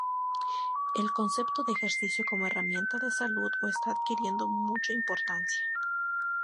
El concepto de ejercicio como herramienta de salud o está adquiriendo mucha importancia.